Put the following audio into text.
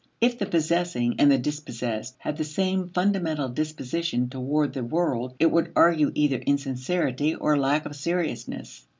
If the possessing and the dispossessed had the same fundamental disposition toward the world, it would argue either insincerity or lack of seriousness.